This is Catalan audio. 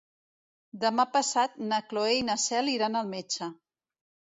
Demà passat na Cloè i na Cel iran al metge.